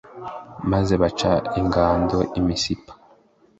maze baca ingando i misipa